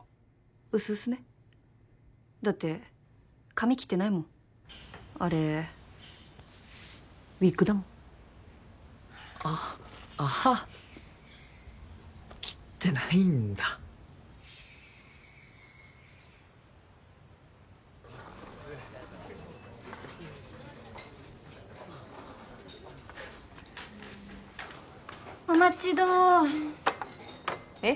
うすうすねだって髪切ってないもんあれウイッグだもんあっああ切ってないんだお待ちどおえっ